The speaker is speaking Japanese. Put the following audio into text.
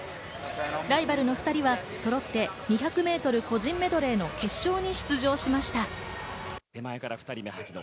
ライバルの２人はそろって２００ｍ個人メドレーの決勝に出場しました。